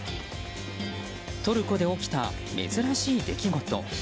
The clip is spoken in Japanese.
トルコで起きた珍しい出来事。